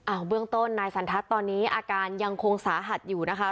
เบื้องต้นนายสันทัศน์ตอนนี้อาการยังคงสาหัสอยู่นะคะ